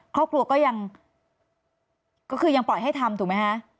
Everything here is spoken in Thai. ครอบครัวก็ยังก็คือยังปล่อยให้ทำถูกไหมคะ